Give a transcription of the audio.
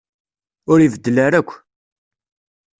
Ur ibeddel ara akk.